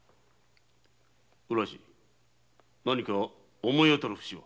浦路何か思い当たる節は？